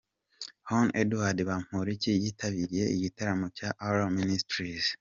Hon Edouard Bamporiki yitabiriye igitaramo cya Alarm Ministries.